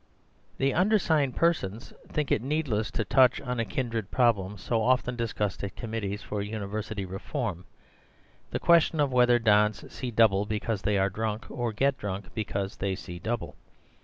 "The undersigned persons think it needless to touch on a kindred problem so often discussed at committees for University Reform: the question of whether dons see double because they are drunk, or get drunk because they see double.